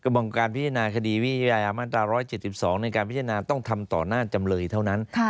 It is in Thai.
มองการพิจารณาคดีวิทยามาตรา๑๗๒ในการพิจารณาต้องทำต่อหน้าจำเลยเท่านั้น